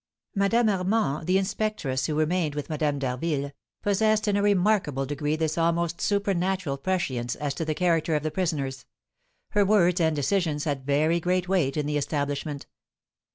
Madame Armand, the inspectress who remained with Madame d'Harville, possessed in a remarkable degree this almost supernatural prescience as to the character of the prisoners; her words and decisions had very great weight in the establishment.